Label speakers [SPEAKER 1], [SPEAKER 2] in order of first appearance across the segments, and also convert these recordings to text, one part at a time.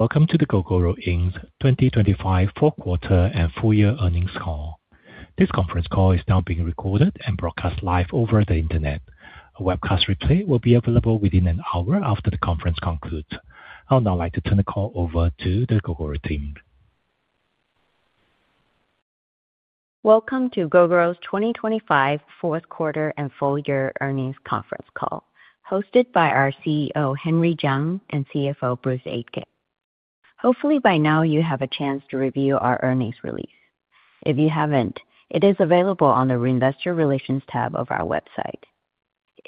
[SPEAKER 1] Welcome to the Gogoro Inc. 2025 fourth quarter and full year earnings call. This conference call is now being recorded and broadcast live over the internet. A webcast replay will be available within an hour after the conference concludes. I would now like to turn the call over to the Gogoro team.
[SPEAKER 2] Welcome to Gogoro's 2025 fourth quarter and full year earnings conference call, hosted by our CEO, Henry Chiang, and CFO, Bruce Aitken. Hopefully, by now, you have a chance to review our earnings release. If you haven't, it is available on the Investor Relations tab of our website,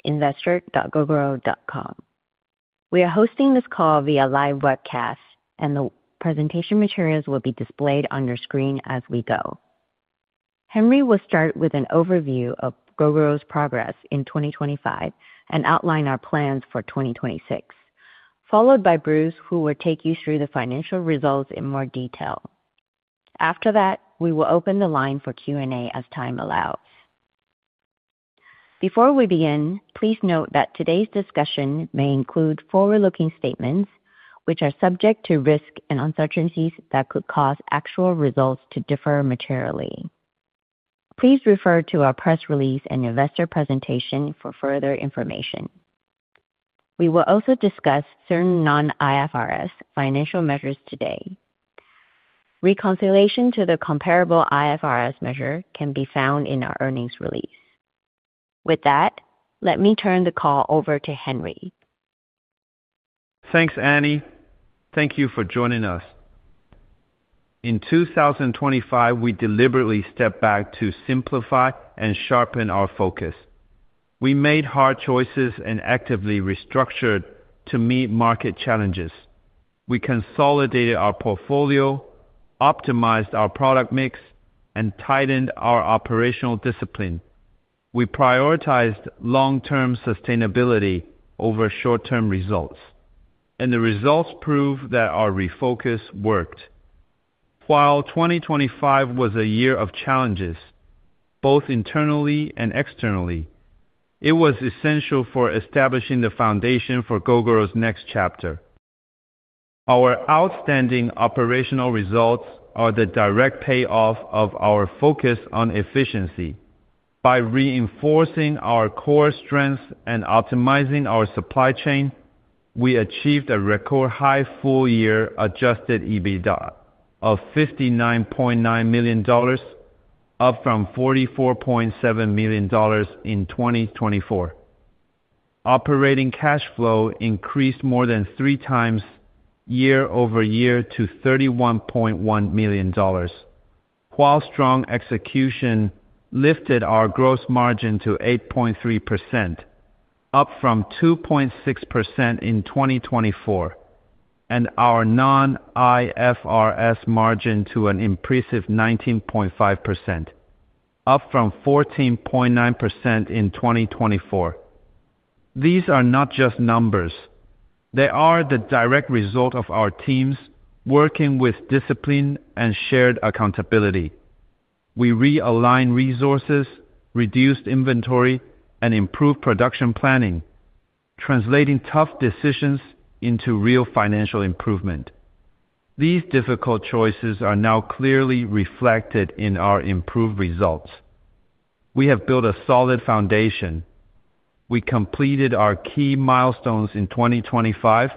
[SPEAKER 2] investor.gogoro.com. We are hosting this call via live webcast, and the presentation materials will be displayed on your screen as we go. Henry will start with an overview of Gogoro's progress in 2025 and outline our plans for 2026, followed by Bruce, who will take you through the financial results in more detail. After that, we will open the line for Q&A as time allows. Before we begin, please note that today's discussion may include forward-looking statements, which are subject to risks and uncertainties that could cause actual results to differ materially. Please refer to our press release and investor presentation for further information. We will also discuss certain non-IFRS financial measures today. Reconciliation to the comparable IFRS measure can be found in our earnings release. With that, let me turn the call over to Henry.
[SPEAKER 3] Thanks, Annie. Thank you for joining us. In 2025, we deliberately stepped back to simplify and sharpen our focus. We made hard choices and actively restructured to meet market challenges. We consolidated our portfolio, optimized our product mix, and tightened our operational discipline. We prioritized long-term sustainability over short-term results, and the results prove that our refocus worked. While 2025 was a year of challenges, both internally and externally, it was essential for establishing the foundation for Gogoro's next chapter. Our outstanding operational results are the direct payoff of our focus on efficiency. By reinforcing our core strengths and optimizing our supply chain, we achieved a record-high full-year adjusted EBITDA of $59.9 million, up from $44.7 million in 2024. Operating cash flow increased more than three times year-over-year to $31.1 million, while strong execution lifted our gross margin to 8.3%, up from 2.6% in 2024, and our non-IFRS margin to an impressive 19.5%, up from 14.9% in 2024. These are not just numbers. They are the direct result of our teams working with discipline and shared accountability. We realigned resources, reduced inventory, and improved production planning, translating tough decisions into real financial improvement. These difficult choices are now clearly reflected in our improved results. We have built a solid foundation. We completed our key milestones in 2025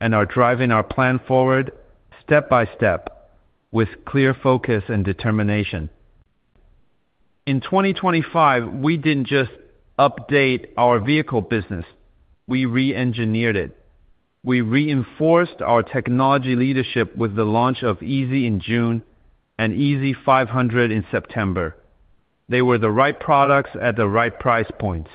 [SPEAKER 3] and are driving our plan forward step by step with clear focus and determination. In 2025, we didn't just update our vehicle business, we reengineered it. We reinforced our technology leadership with the launch of EZZY in June and EZZY 500 in September. They were the right products at the right price points.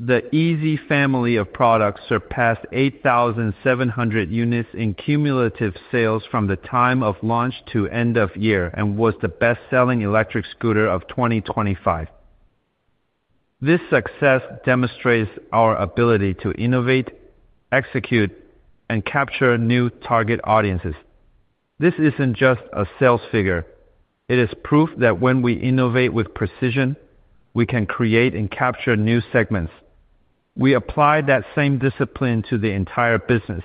[SPEAKER 3] The EZZY family of products surpassed 8,700 units in cumulative sales from the time of launch to end of year and was the best-selling electric scooter of 2025. This success demonstrates our ability to innovate, execute, and capture new target audiences. This isn't just a sales figure. It is proof that when we innovate with precision, we can create and capture new segments. We apply that same discipline to the entire business.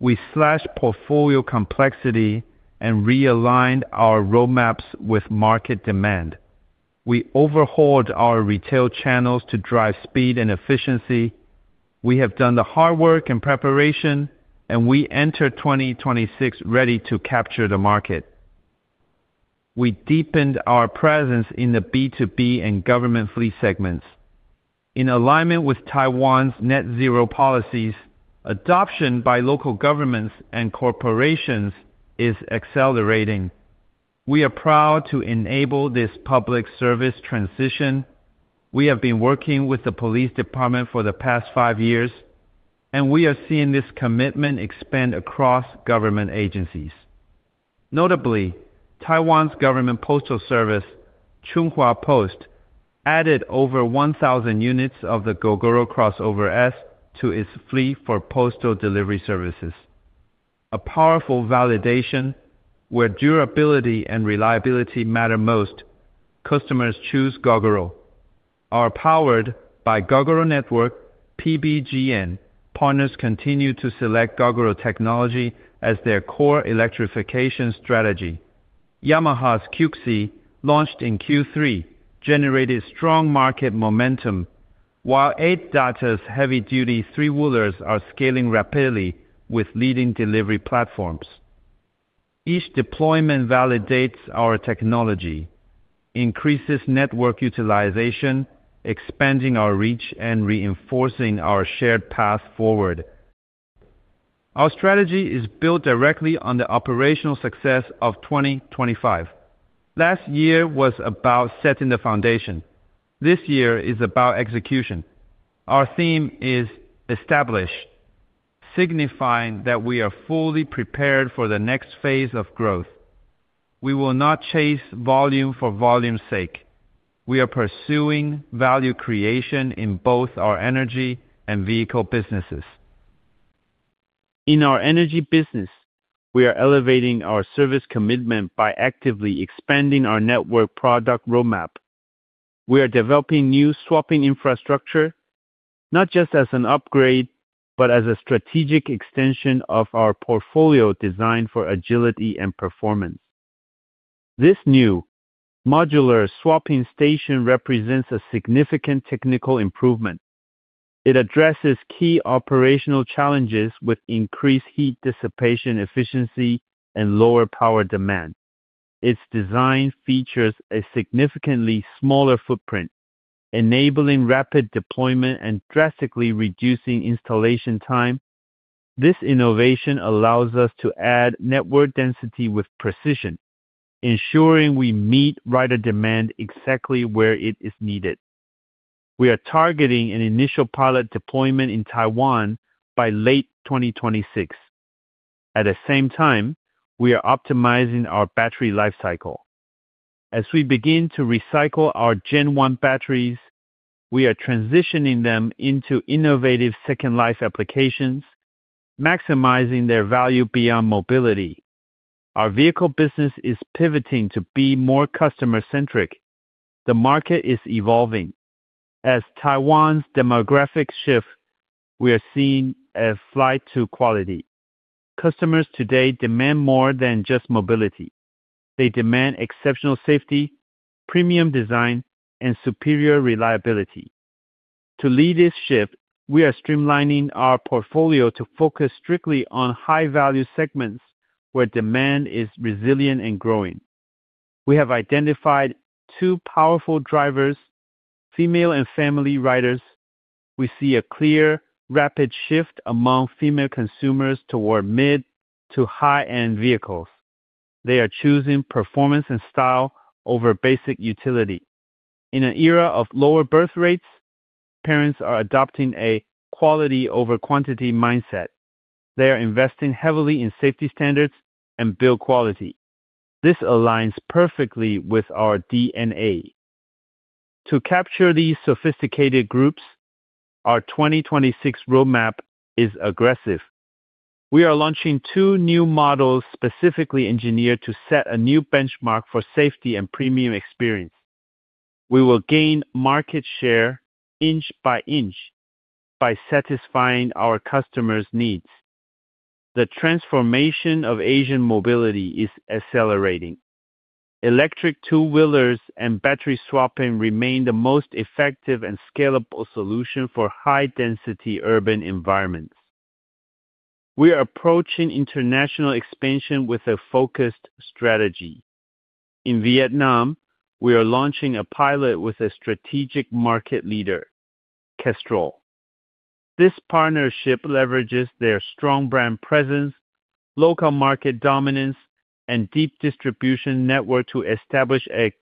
[SPEAKER 3] We slashed portfolio complexity and realigned our roadmaps with market demand. We overhauled our retail channels to drive speed and efficiency. We have done the hard work and preparation, and we enter 2026 ready to capture the market. We deepened our presence in the B2B and government fleet segments. In alignment with Taiwan's Net Zero policies, adoption by local governments and corporations is accelerating. We are proud to enable this public service transition. We have been working with the police department for the past five years, and we are seeing this commitment expand across government agencies. Notably, Taiwan's government postal service, Chunghwa Post, added over 1,000 units of the Gogoro CrossOver S to its fleet for postal delivery services. A powerful validation where durability and reliability matter most, customers choose Gogoro.... are powered by Gogoro Network, PBGN, partners continue to select Gogoro technology as their core electrification strategy. Yamaha's CuxiE, launched in Q3, generated strong market momentum, while ADATA's heavy-duty three-wheelers are scaling rapidly with leading delivery platforms. Each deployment validates our technology, increases network utilization, expanding our reach, and reinforcing our shared path forward. Our strategy is built directly on the operational success of 2025. Last year was about setting the foundation. This year is about execution. Our theme is established, signifying that we are fully prepared for the next phase of growth. We will not chase volume for volume sake. We are pursuing value creation in both our energy and vehicle businesses. In our energy business, we are elevating our service commitment by actively expanding our network product roadmap. We are developing new swapping infrastructure, not just as an upgrade, but as a strategic extension of our portfolio designed for agility and performance. This new modular swapping station represents a significant technical improvement. It addresses key operational challenges with increased heat dissipation, efficiency, and lower power demand. Its design features a significantly smaller footprint, enabling rapid deployment and drastically reducing installation time. This innovation allows us to add network density with precision, ensuring we meet rider demand exactly where it is needed. We are targeting an initial pilot deployment in Taiwan by late 2026. At the same time, we are optimizing our battery life cycle. As we begin to recycle our Gen One batteries, we are transitioning them into innovative second life applications, maximizing their value beyond mobility. Our vehicle business is pivoting to be more customer-centric. The market is evolving. As Taiwan's demographics shift, we are seeing a flight to quality. Customers today demand more than just mobility. They demand exceptional safety, premium design, and superior reliability. To lead this shift, we are streamlining our portfolio to focus strictly on high-value segments where demand is resilient and growing. We have identified two powerful drivers, female and family riders. We see a clear, rapid shift among female consumers toward mid- to high-end vehicles. They are choosing performance and style over basic utility. In an era of lower birth rates, parents are adopting a quality over quantity mindset. They are investing heavily in safety standards and build quality. This aligns perfectly with our DNA. To capture these sophisticated groups, our 2026 roadmap is aggressive. We are launching two new models specifically engineered to set a new benchmark for safety and premium experience. We will gain market share inch by inch by satisfying our customers' needs. The transformation of Asian mobility is accelerating. Electric two-wheelers and battery swapping remain the most effective and scalable solution for high-density urban environments. We are approaching international expansion with a focused strategy. In Vietnam, we are launching a pilot with a strategic market leader, Castrol. This partnership leverages their strong brand presence, local market dominance, and deep distribution network to establish a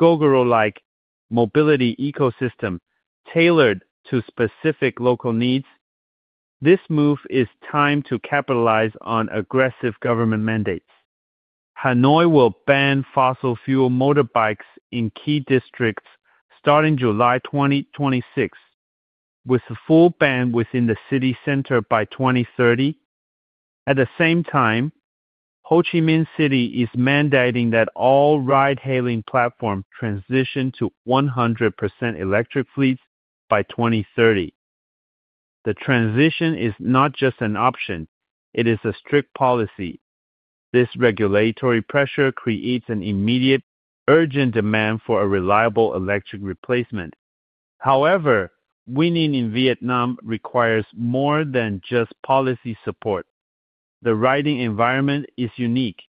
[SPEAKER 3] Gogoro-like mobility ecosystem tailored to specific local needs. This move is timed to capitalize on aggressive government mandates. Hanoi will ban fossil fuel motorbikes in key districts starting July 2026, with a full ban within the city center by 2030. At the same time, Ho Chi Minh City is mandating that all ride-hailing platforms transition to 100% electric fleets by 2030. The transition is not just an option, it is a strict policy. This regulatory pressure creates an immediate, urgent demand for a reliable electric replacement. However, winning in Vietnam requires more than just policy support. The riding environment is unique.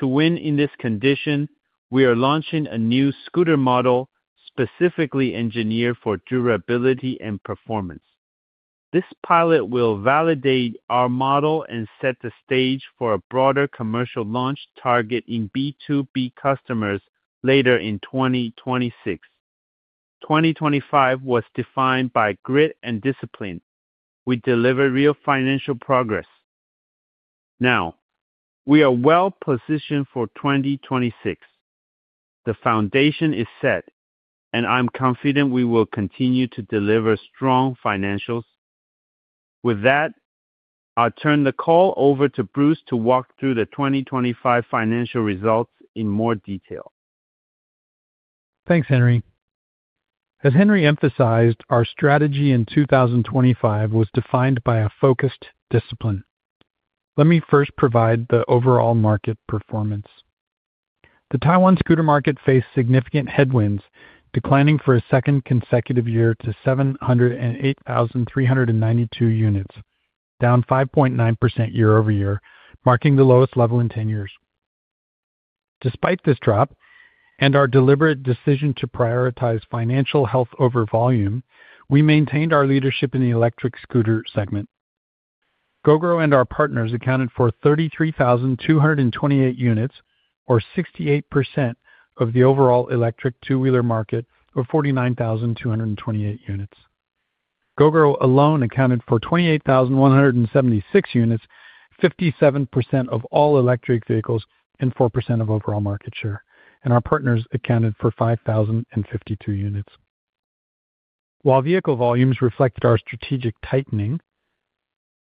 [SPEAKER 3] To win in this condition, we are launching a new scooter model specifically engineered for durability and performance. This pilot will validate our model and set the stage for a broader commercial launch targeting B2B customers later in 2026. 2025 was defined by grit and discipline. We delivered real financial progress. Now, we are well positioned for 2026. The foundation is set, and I'm confident we will continue to deliver strong financials. With that, I'll turn the call over to Bruce to walk through the 2025 financial results in more detail.
[SPEAKER 4] Thanks, Henry. As Henry emphasized, our strategy in 2025 was defined by a focused discipline. Let me first provide the overall market performance. The Taiwan scooter market faced significant headwinds, declining for a second consecutive year to 708,392 units, down 5.9% year-over-year, marking the lowest level in ten years. Despite this drop and our deliberate decision to prioritize financial health over volume, we maintained our leadership in the electric scooter segment. Gogoro and our partners accounted for 33,228 units, or 68% of the overall electric two-wheeler market, or 49,228 units. Gogoro alone accounted for 28,176 units, 57% of all electric vehicles, and 4% of overall market share, and our partners accounted for 5,052 units. While vehicle volumes reflected our strategic tightening,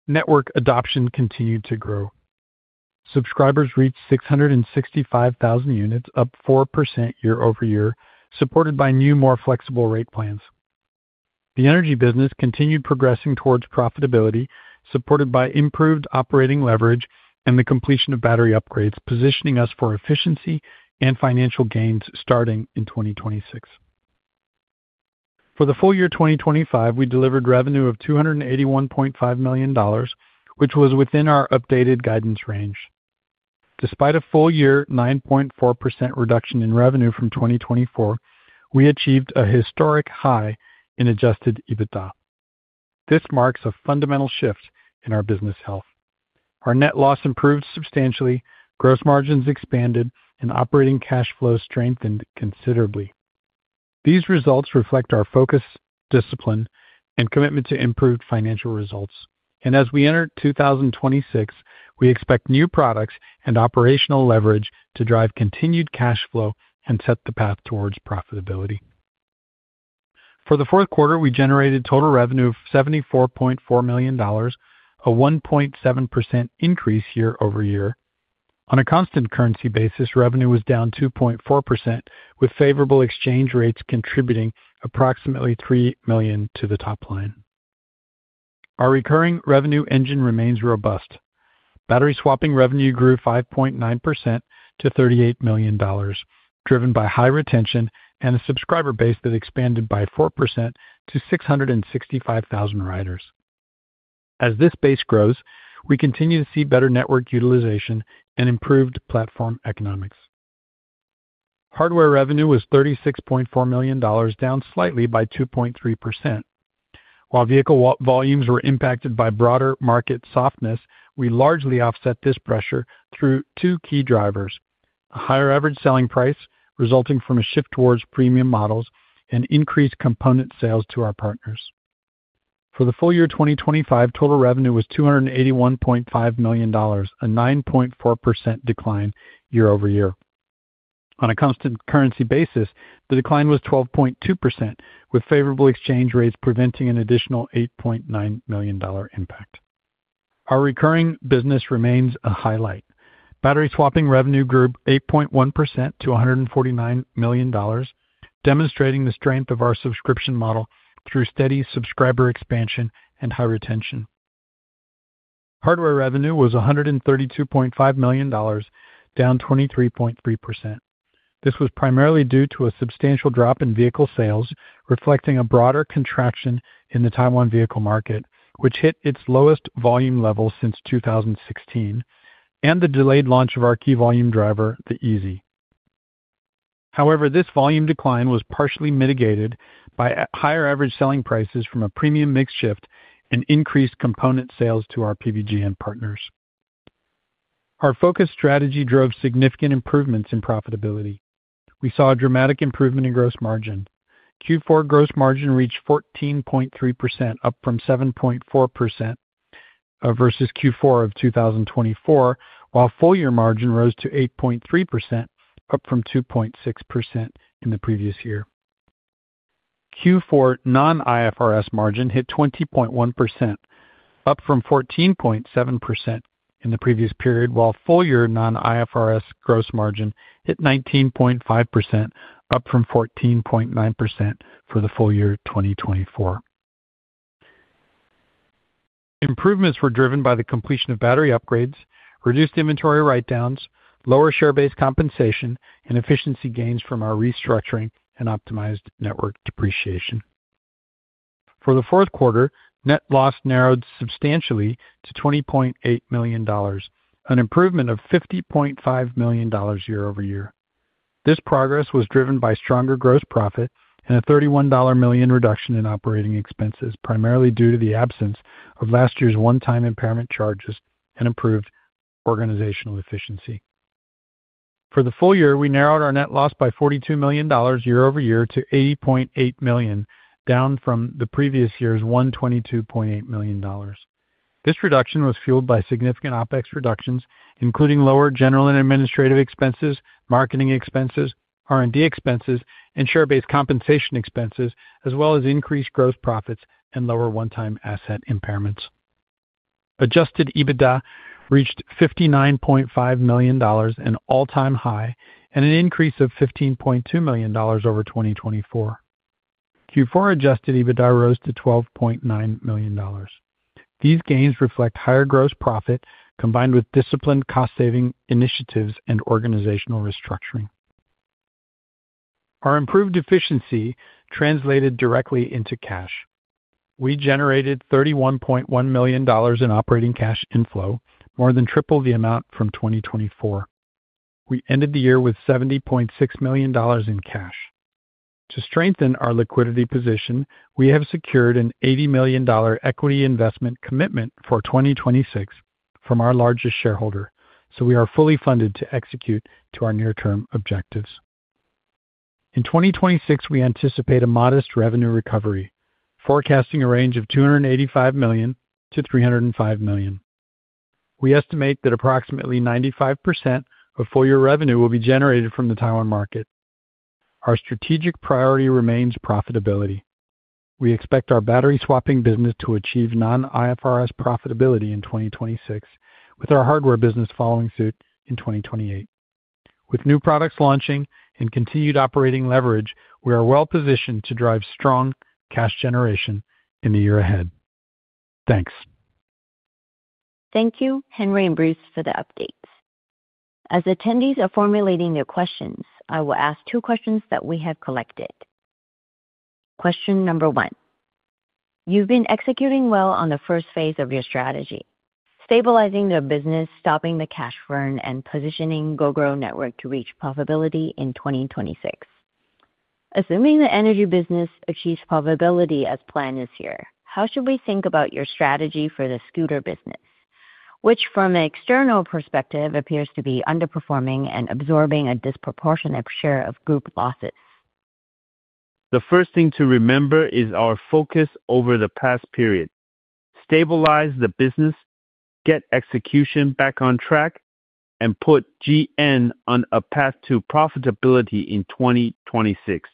[SPEAKER 4] network adoption continued to grow. Subscribers reached 665,000 units, up 4% year-over-year, supported by new, more flexible rate plans. The energy business continued progressing towards profitability, supported by improved operating leverage and the completion of battery upgrades, positioning us for efficiency and financial gains starting in 2026. For the full year 2025, we delivered revenue of $281.5 million, which was within our updated guidance range. Despite a full year 9.4% reduction in revenue from 2024, we achieved a historic high in adjusted EBITDA. This marks a fundamental shift in our business health. Our net loss improved substantially, gross margins expanded, and operating cash flow strengthened considerably. These results reflect our focus, discipline, and commitment to improved financial results. As we enter 2026, we expect new products and operational leverage to drive continued cash flow and set the path towards profitability. For the fourth quarter, we generated total revenue of $74.4 million, a 1.7% increase year-over-year. On a constant currency basis, revenue was down 2.4%, with favorable exchange rates contributing approximately $3 million to the top line. Our recurring revenue engine remains robust. Battery swapping revenue grew 5.9% to $38 million, driven by high retention and a subscriber base that expanded by 4% to 665,000 riders. As this base grows, we continue to see better network utilization and improved platform economics. Hardware revenue was $36.4 million, down slightly by 2.3%. While vehicle volumes were impacted by broader market softness, we largely offset this pressure through two key drivers: a higher average selling price, resulting from a shift towards premium models and increased component sales to our partners. For the full year 2025, total revenue was $281.5 million, a 9.4% decline year-over-year. On a constant currency basis, the decline was 12.2%, with favorable exchange rates preventing an additional $8.9 million impact. Our recurring business remains a highlight. Battery swapping revenue grew 8.1% to $149 million, demonstrating the strength of our subscription model through steady subscriber expansion and high retention. Hardware revenue was $132.5 million, down 23.3%. This was primarily due to a substantial drop in vehicle sales, reflecting a broader contraction in the Taiwan vehicle market, which hit its lowest volume level since 2016, and the delayed launch of our key volume driver, the EZZY. However, this volume decline was partially mitigated by higher average selling prices from a premium mix shift and increased component sales to our PBGN partners. Our focus strategy drove significant improvements in profitability. We saw a dramatic improvement in gross margin. Q4 gross margin reached 14.3%, up from 7.4% versus Q4 of 2024, while full year margin rose to 8.3%, up from 2.6% in the previous year. Q4 non-IFRS margin hit 20.1%, up from 14.7% in the previous period, while full-year non-IFRS gross margin hit 19.5%, up from 14.9% for the full year 2024. Improvements were driven by the completion of battery upgrades, reduced inventory write-downs, lower share-based compensation, and efficiency gains from our restructuring and optimized network depreciation. For the fourth quarter, net loss narrowed substantially to $20.8 million, an improvement of $50.5 million year-over-year. This progress was driven by stronger gross profit and a $31 million reduction in operating expenses, primarily due to the absence of last year's one-time impairment charges and improved organizational efficiency. For the full year, we narrowed our net loss by $42 million year-over-year to $80.8 million, down from the previous year's $122.8 million.... This reduction was fueled by significant OpEx reductions, including lower general and administrative expenses, marketing expenses, R&D expenses, and share-based compensation expenses, as well as increased gross profits and lower one-time asset impairments. Adjusted EBITDA reached $59.5 million, an all-time high, and an increase of $15.2 million over 2024. Q4 adjusted EBITDA rose to $12.9 million. These gains reflect higher gross profit, combined with disciplined cost saving initiatives and organizational restructuring. Our improved efficiency translated directly into cash. We generated $31.1 million in operating cash inflow, more than triple the amount from 2024. We ended the year with $70.6 million in cash. To strengthen our liquidity position, we have secured a $80 million equity investment commitment for 2026 from our largest shareholder, so we are fully funded to execute to our near-term objectives. In 2026, we anticipate a modest revenue recovery, forecasting a range of $285 million-$305 million. We estimate that approximately 95% of full year revenue will be generated from the Taiwan market. Our strategic priority remains profitability. We expect our battery swapping business to achieve non-IFRS profitability in 2026, with our hardware business following suit in 2028. With new products launching and continued operating leverage, we are well-positioned to drive strong cash generation in the year ahead. Thanks.
[SPEAKER 2] Thank you, Henry and Bruce, for the updates. As attendees are formulating their questions, I will ask two questions that we have collected. Question number one: You've been executing well on the first phase of your strategy, stabilizing the business, stopping the cash burn, and positioning Gogoro Network to reach profitability in 2026. Assuming the energy business achieves profitability as planned this year, how should we think about your strategy for the scooter business, which, from an external perspective, appears to be underperforming and absorbing a disproportionate share of group losses?
[SPEAKER 3] The first thing to remember is our focus over the past period. Stabilize the business, get execution back on track, and put GN on a path to profitability in 2026.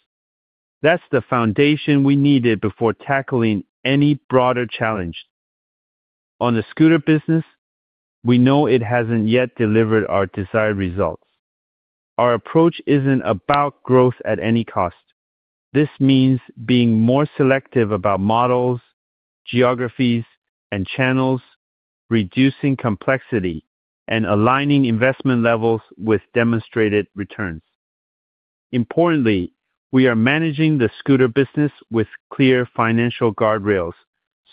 [SPEAKER 3] That's the foundation we needed before tackling any broader challenge. On the scooter business, we know it hasn't yet delivered our desired results. Our approach isn't about growth at any cost. This means being more selective about models, geographies, and channels, reducing complexity, and aligning investment levels with demonstrated returns. Importantly, we are managing the scooter business with clear financial guardrails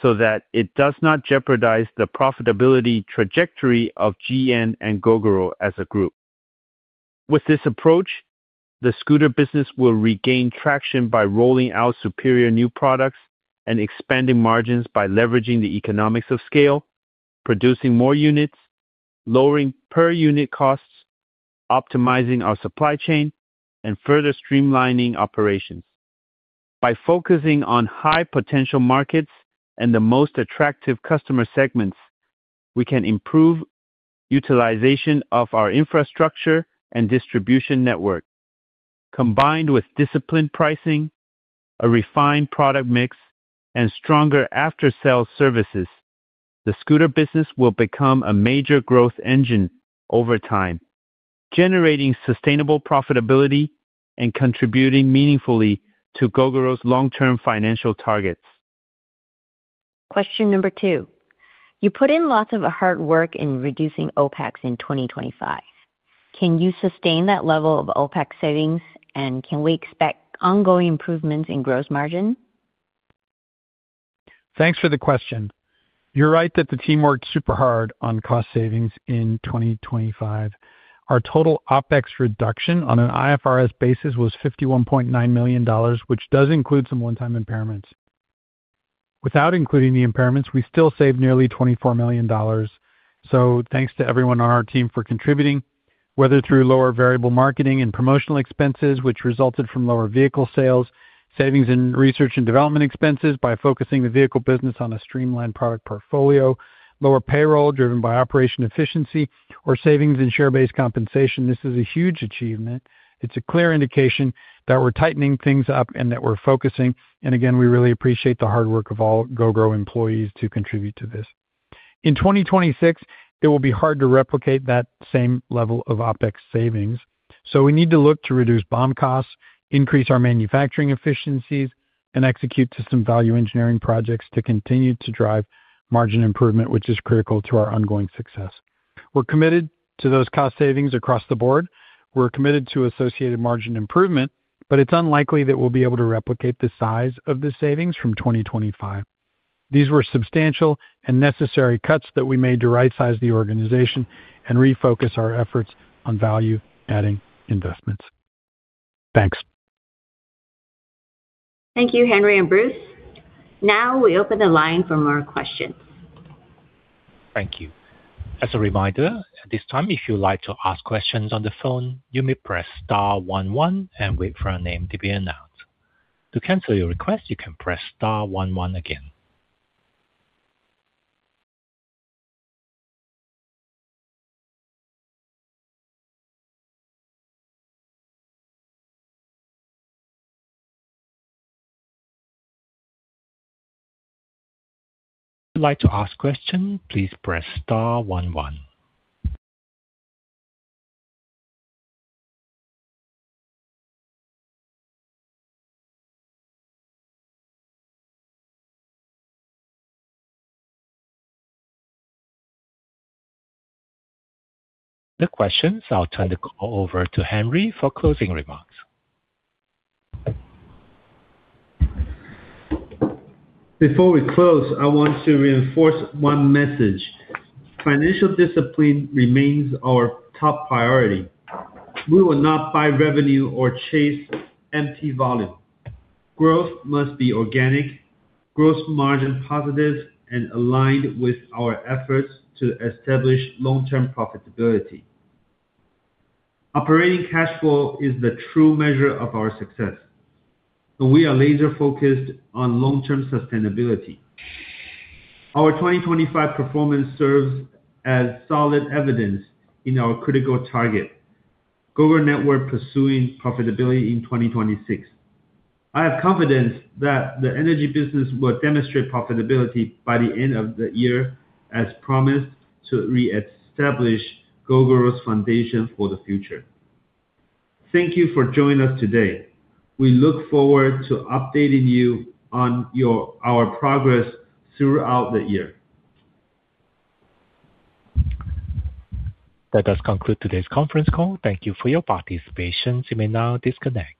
[SPEAKER 3] so that it does not jeopardize the profitability trajectory of GN and Gogoro as a group. With this approach, the scooter business will regain traction by rolling out superior new products and expanding margins by leveraging the economics of scale, producing more units, lowering per-unit costs, optimizing our supply chain, and further streamlining operations. By focusing on high-potential markets and the most attractive customer segments, we can improve utilization of our infrastructure and distribution network. Combined with disciplined pricing, a refined product mix, and stronger after-sale services, the scooter business will become a major growth engine over time, generating sustainable profitability and contributing meaningfully to Gogoro's long-term financial targets.
[SPEAKER 2] Question number two: You put in lots of hard work in reducing OpEx in 2025. Can you sustain that level of OpEx savings, and can we expect ongoing improvements in gross margin?
[SPEAKER 4] Thanks for the question. You're right that the team worked super hard on cost savings in 2025. Our total OpEx reduction on an IFRS basis was $51.9 million, which does include some one-time impairments. Without including the impairments, we still saved nearly $24 million, so thanks to everyone on our team for contributing, whether through lower variable marketing and promotional expenses, which resulted from lower vehicle sales, savings in research and development expenses by focusing the vehicle business on a streamlined product portfolio, lower payroll driven by operation efficiency, or savings in share-based compensation. This is a huge achievement. It's a clear indication that we're tightening things up and that we're focusing. And again, we really appreciate the hard work of all Gogoro employees to contribute to this. In 2026, it will be hard to replicate that same level of OpEx savings, so we need to look to reduce BOM costs, increase our manufacturing efficiencies, and execute system value engineering projects to continue to drive margin improvement, which is critical to our ongoing success. We're committed to those cost savings across the board. We're committed to associated margin improvement, but it's unlikely that we'll be able to replicate the size of the savings from 2025. These were substantial and necessary cuts that we made to rightsize the organization and refocus our efforts on value-adding investments. Thanks.
[SPEAKER 2] Thank you, Henry and Bruce. Now we open the line for more questions.
[SPEAKER 1] Thank you. As a reminder, at this time, if you'd like to ask questions on the phone, you may press star one one and wait for your name to be announced. To cancel your request, you can press star one one again. If you'd like to ask question, please press star one one. No questions. I'll turn the call over to Henry for closing remarks.
[SPEAKER 3] Before we close, I want to reinforce one message. Financial discipline remains our top priority. We will not buy revenue or chase empty volume. Growth must be organic, gross margin positive, and aligned with our efforts to establish long-term profitability. Operating cash flow is the true measure of our success, and we are laser focused on long-term sustainability. Our 2025 performance serves as solid evidence in our critical target. Gogoro Network pursuing profitability in 2026. I have confidence that the energy business will demonstrate profitability by the end of the year as promised, to reestablish Gogoro's foundation for the future. Thank you for joining us today. We look forward to updating you on your, our progress throughout the year.
[SPEAKER 1] That does conclude today's conference call. Thank you for your participation. You may now disconnect.